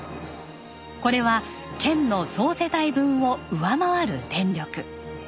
これは県の総世帯分を上回る電力。